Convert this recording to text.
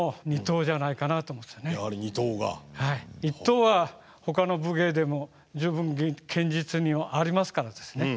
一刀はほかの武芸でも十分剣術にありますからですね